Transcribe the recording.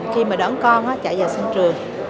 khi mà đón con chạy vào sân trường